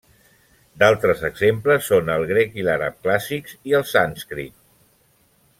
D'altres exemples són el grec i l'àrab clàssics i el sànscrit.